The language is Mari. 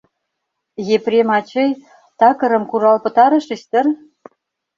— Епрем ачый, такырым курал пытарышыч дыр?